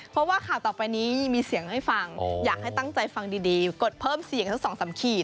เพราะว่าข่าวต่อไปนี้มีเสียงให้ฟังอยากให้ตั้งใจฟังดีกดเพิ่มเสียงทั้งสองสามขีด